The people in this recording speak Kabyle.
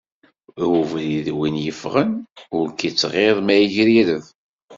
I ubrid win i yeffɣen, ur k-yettɣiḍ ma yegrireb.